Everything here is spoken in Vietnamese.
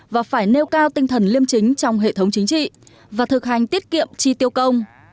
và phải nêu cao tinh thần liêm chính trong hệ thống chính trị và thực hành tiết kiệm chi tiêu công